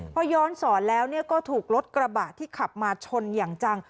พอย้อนสอนแล้วก็ถูกรถกระบะที่ขับมาชนอย่างจัง